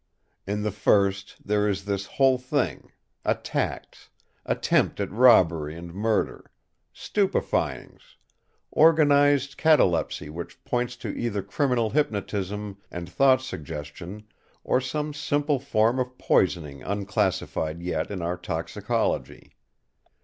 In the first there is this whole thing; attacks, attempts at robbery and murder; stupefyings; organised catalepsy which points to either criminal hypnotism and thought suggestion, or some simple form of poisoning unclassified yet in our toxicology.